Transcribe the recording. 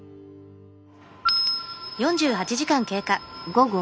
午後。